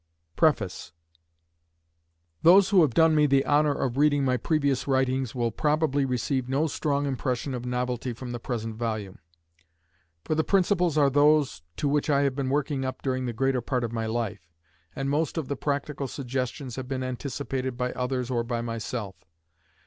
] Preface Those who have done me the honor of reading my previous writings will probably receive no strong impression of novelty from the present volume; for the principles are those to which I have been working up during the greater part of my life, and most of the practical suggestions have been anticipated by others or by myself.